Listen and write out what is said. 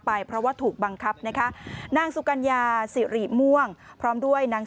ไปเพราะว่าถูกบังคับนะคะนางสุกัญญาสิริม่วงพร้อมด้วยนาง